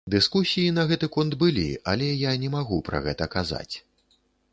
Дыскусіі на гэты конт былі, але я не магу пра гэта казаць.